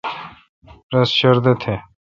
رس شردہ تھ۔